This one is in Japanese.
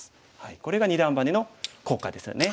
これが二段バネの効果ですよね。